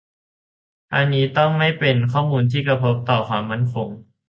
ทั้งนี้ต้องไม่เป็นข้อมูลที่กระทบต่อความมั่นคง